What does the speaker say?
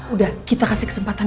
udah kita kasih kesempatan